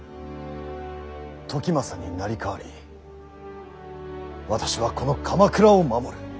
時政に成り代わり私はこの鎌倉を守る。